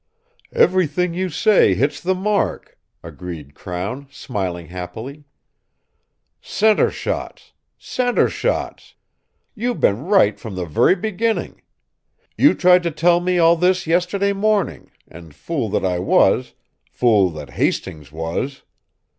"Everything you say hits the mark!" agreed Crown, smiling happily. "Centre shots! Centre shots! You've been right from the very beginning. You tried to tell me all this yesterday morning, and, fool that I was fool that Hastings was!"